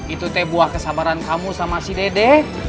itu teh buah kesabaran kamu sama si dede